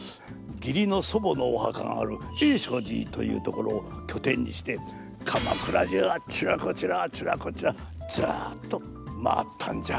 義理の祖母のおはかがある英勝寺という所を拠点にして鎌倉中あちらこちらあちらこちらずっと回ったんじゃ。